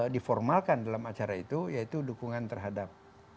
diformalkan dalam acara itu yaitu dukungan terhadap